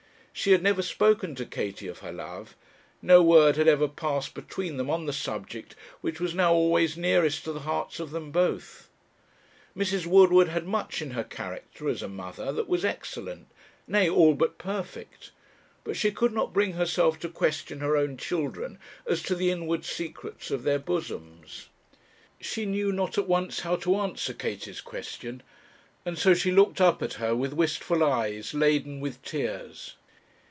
She had never spoken to Katie of her love; no word had ever passed between them on the subject which was now always nearest to the hearts of them both. Mrs. Woodward had much in her character, as a mother, that was excellent, nay, all but perfect; but she could not bring herself to question her own children as to the inward secrets of their bosoms. She knew not at once how to answer Katie's question; and so she looked up at her with wistful eyes, laden with tears.